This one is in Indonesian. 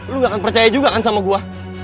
lu gak akan percaya juga kan sama gue